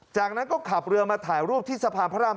จากนั้นก็ขับเรือมาถ่ายรูปที่สะพานพระราม